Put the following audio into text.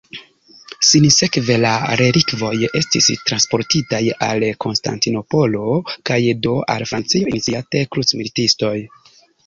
Sinsekve la relikvoj estis transportitaj al Konstantinopolo kaj do al Francio iniciate krucmilitistoj.